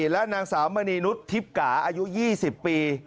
และนางสาวเมนีนุธิพกาอายุ๒๐ปี